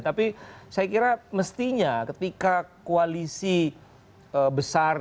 tapi saya kira mestinya ketika koalisi besar